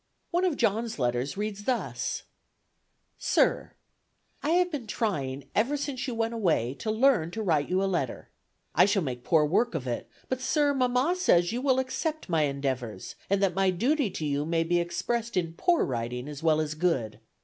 One of John's letters reads thus: "Sir I have been trying ever since you went away to learn to write you a letter. I shall make poor work of it; but, sir, mamma says you will accept my endeavors, and that my duty to you may be expressed in poor writing as well as good.